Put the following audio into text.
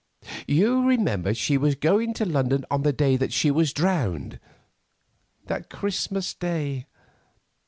You remember she was going to London on the day that she was drowned—that Christmas Day?